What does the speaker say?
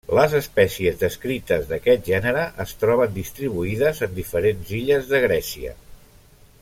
Les espècies descrites d'aquest gènere es troben distribuïdes en diferents illes de Grècia.